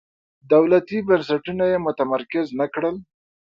دولتي بنسټونه یې متمرکز نه کړل.